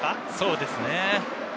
そうですね。